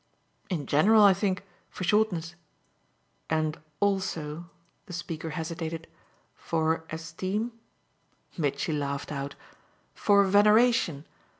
"In general, I think for shortness." "And also" the speaker hesitated "for esteem?" Mitchy laughed out. "For veneration!